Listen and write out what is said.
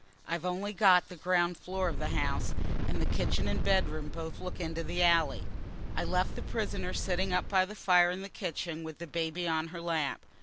I've only got the ground floor of the house, and the kitchen and bedroom both look into the alley. I left the prisoner sitting up by the fire in the kitchen with the baby on her lap.